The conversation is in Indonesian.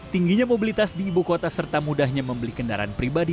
tingginya mobilitas di ibu kota serta mudahnya membeli kendaraan pribadi